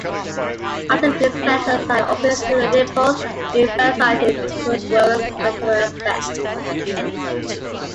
Often these vessels had openings through the nipples, emphasizing Taweret's maternal aspects.